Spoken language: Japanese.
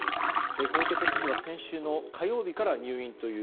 小池都知事は先週の火曜日から入院という。